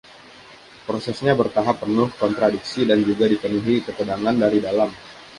Prosesnya bertahap, penuh kontradiksi, dan juga dipenuhi ketegangan dari dalam.